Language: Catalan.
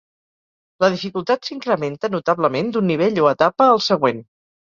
La dificultat s'incrementa notablement d'un nivell o etapa al següent.